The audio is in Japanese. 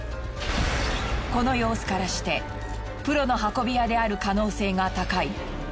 この様子からしてプロの運び屋である可能性が高い。